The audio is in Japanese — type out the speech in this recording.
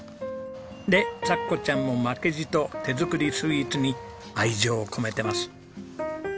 でさっこちゃんも負けじと手作りスイーツに愛情を込めてます。